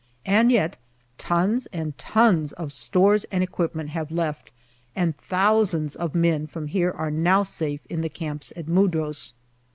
And yet tons and tons of stores and equipment have left, and thousands of men from here are now safe in the camps at Mudros.